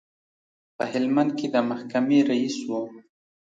په هلمند کې د محکمې رئیس و.